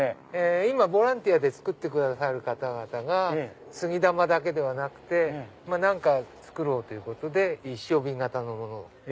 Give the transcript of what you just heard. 今ボランティアで作ってくださる方々が杉玉だけではなくて何か作ろうということで一升瓶形のものを。